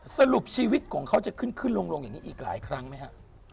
สรุปชีวิตของเขาจะขึ้นขึ้นลงอย่างนี้อีกหลายครั้งไหมฮะ